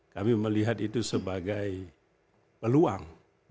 kami melihat itu sebagai peluang